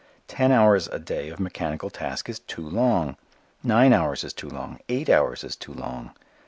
Ten hours a day of mechanical task is too long: nine hours is too long: eight hours is too long.